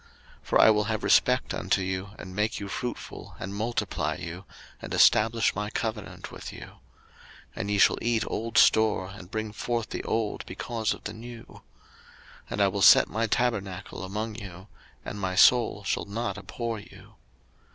03:026:009 For I will have respect unto you, and make you fruitful, and multiply you, and establish my covenant with you. 03:026:010 And ye shall eat old store, and bring forth the old because of the new. 03:026:011 And I set my tabernacle among you: and my soul shall not abhor you.